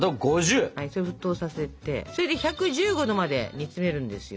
沸騰させて１１５℃まで煮詰めるんですよ。